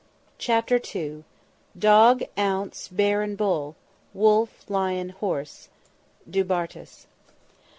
CHAPTER II "Dog, ounce, bear and bull, Wolf, lion, horse." DU BARTAS.